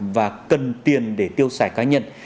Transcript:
và cần tiền để tiêu xài cá nhân